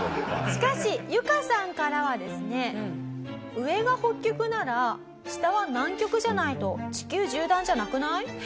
しかしユカさんからはですね「上が北極なら下は南極じゃないと地球縦断じゃなくない？」。